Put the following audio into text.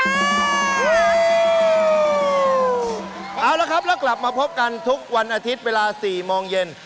เอาละครับแล้วกลับมาพบกันทุกวันอาทิตย์เวลา๔โมงเย็น